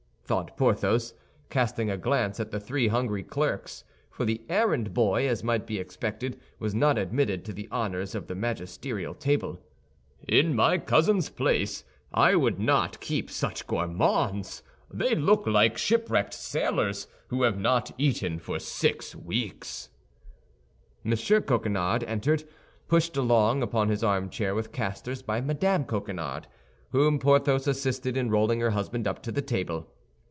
thought Porthos, casting a glance at the three hungry clerks—for the errand boy, as might be expected, was not admitted to the honors of the magisterial table, "in my cousin's place, I would not keep such gourmands! They look like shipwrecked sailors who have not eaten for six weeks." M. Coquenard entered, pushed along upon his armchair with casters by Mme. Coquenard, whom Porthos assisted in rolling her husband up to the table.